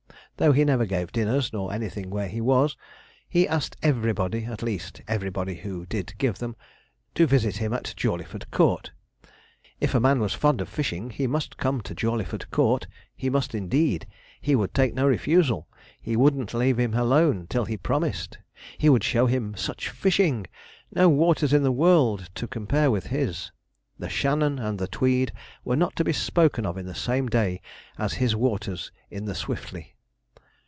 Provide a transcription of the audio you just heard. Though he never gave dinners, nor anything where he was, he asked everybody, at least everybody who did give them, to visit him at Jawleyford Court. If a man was fond of fishing, he must come to Jawleyford Court, he must, indeed; he would take no refusal, he wouldn't leave him alone till he promised. He would show him such fishing no waters in the world to compare with his. The Shannon and the Tweed were not to be spoken of in the same day as his waters in the Swiftley.